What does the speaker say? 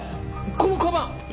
このかばん！